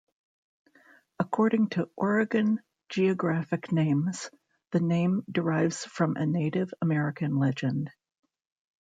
According to "Oregon Geographic Names", the name derives from a Native American legend.